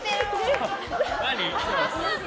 何？